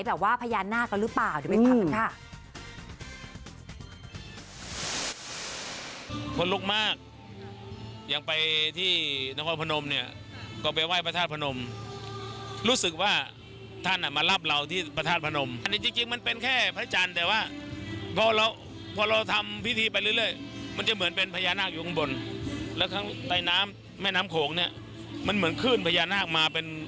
แบบว่าพญานาคต์ก็หรือเปล่าหรือเป็นพระมันฆ่า